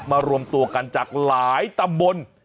รวมตัวกันจากหลายตำบล